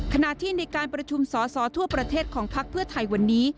ขณะที่ในการประชุมสอสอทั่วประเทศของพักเพื่อไทยวันนี้